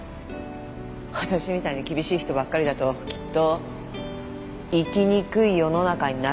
私みたいに厳しい人ばっかりだときっと生きにくい世の中になるんでしょうね。